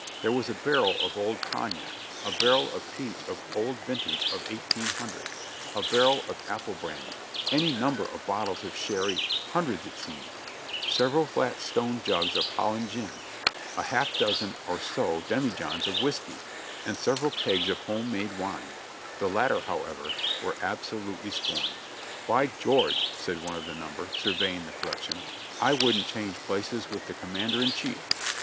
There was a barrel of old cognac, a barrel of peach of old vintage of 1800, a barrel of apple brandy, any number of bottles of sherry, hundreds, it seemed; several flat stone jugs of Holland gin, a half dozen or so demijohns of whiskey, and several kegs of home made wine — the latter, however, were absolutely scorned. ''By George!" said one of the number, surveying the collec tion, "I wouldn't change places with the commander in chief!"